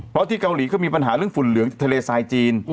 เพราะที่เกาหลีก็มีปัญหาเรื่องฝุ่นเหลืองทะเลทรายจีน